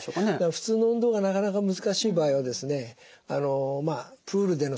普通の運動がなかなか難しい場合はですね